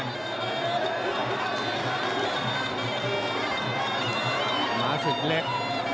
หมาสุดเล็ก